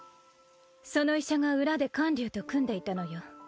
その医者が裏で観柳と組んでいたのよ。